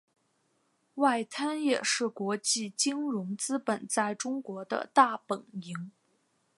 外滩也是国际金融资本在中国的大本营。